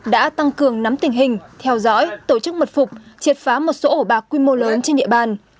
đã tăng cường nắm tình hình theo dõi tổ chức mật phục triệt phá một số ổ bạc quy mô lớn trên địa bàn